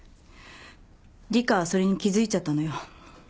里香はそれに気付いちゃったのよ